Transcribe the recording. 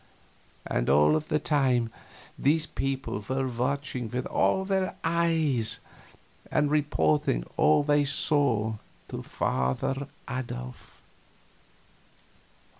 And all the time these people were watching with all their eyes and reporting all they saw to Father Adolf.